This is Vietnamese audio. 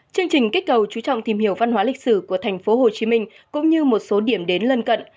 chương trình kích cầu chú trọng tìm hiểu văn hóa lịch sử của tp hcm cũng như một số điểm đến lân cận